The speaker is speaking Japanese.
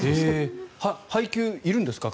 配球、いるんですか？